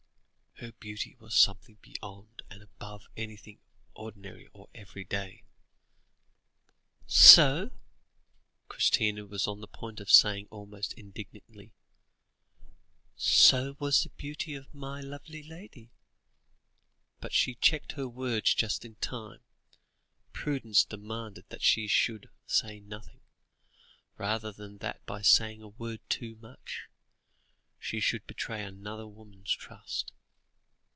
Her beauty was something beyond and above anything ordinary or everyday." "So," Christina was on the point of saying almost indignantly, "so was the beauty of my lovely lady," but she checked her words just in time; prudence demanded that she should say nothing, rather than that by saying a word too much, she should betray another woman's trust.